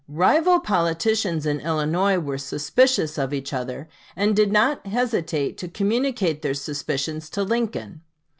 Rival politicians in Illinois were suspicious of each other, and did not hesitate to communicate their suspicions to Lincoln.